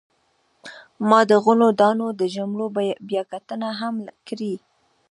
ما د غلو دانو د جملو بیاکتنه هم کړې.